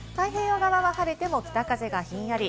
太平洋側は晴れても北風がひんやり。